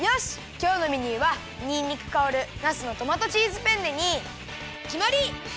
きょうのメニューはにんにくかおるなすのトマトチーズペンネにきまり！